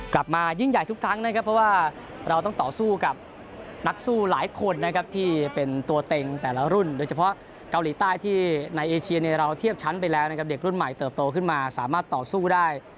กลับมายิ่งใหญ่ทุกครั้งนะครับเพราะว่าเราต้องต่อสู้กับนักสู้หลายคนนะครับที่เป็นตัวเต็งแต่ละรุ่นโดยเฉพาะเกาหลีใต้ที่ในเอเชียเนี่ยเราเทียบชั้นไปแล้วนะครับเด็กรุ่นใหม่เติบโตขึ้นมาสามารถต่อสู้ได้